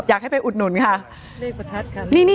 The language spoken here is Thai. อยากให้ไปอุดหนุนค่ะ